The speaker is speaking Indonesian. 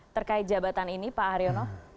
terkait jabatan ini pak haryono